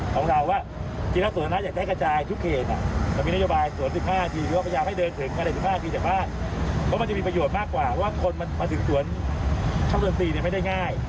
เพราะมันจะมีประโยชน์มากกว่าว่าคนมาถึงสวนเข้าเริ่มตรีไม่ได้ง่าย